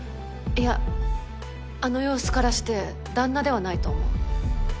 いやあの様子からして旦那ではないと思う。